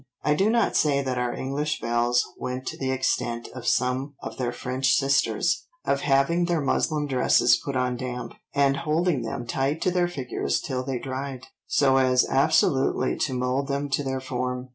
I do not say that our English belles went to the extent of some of their French sisters, of having their muslin dresses put on damp—and holding them tight to their figures till they dried—so as absolutely to mould them to their form